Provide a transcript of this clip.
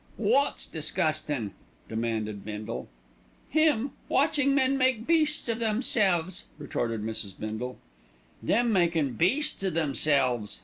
"Wot's disgustin'?" demanded Bindle. "Him, watching men making beasts of themselves," retorted Mrs. Bindle. "Them makin' beasts o' themselves!"